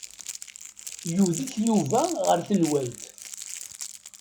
Yudef Yuba ɣer tenwalt.